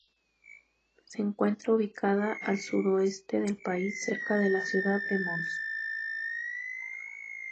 Se encuentra ubicada al sudoeste del país, cerca de la ciudad de Mons.